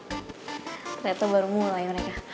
ternyata baru mulai mereka